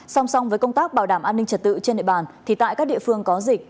song song với công tác bảo đảm an ninh trật tự trên địa bàn thì tại các địa phương có dịch